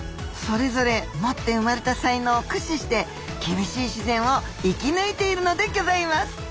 それぞれ持って生まれた才能を駆使して厳しい自然を生き抜いているのでぎょざいます。